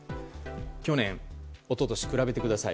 去年、一昨年比べてください。